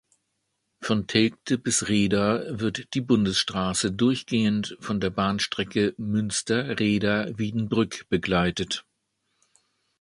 Von Telgte bis Rheda wird die Bundesstraße durchgehend von der Bahnstrecke Münster-Rheda-Wiedenbrück begleitet.